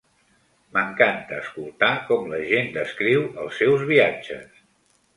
M'encanta escoltar com la gent descriu els seus viatges.